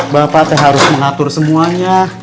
bapak teh harus mengatur semuanya